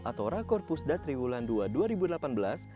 atau rakor pusdat riwulan ii dua ribu delapan belas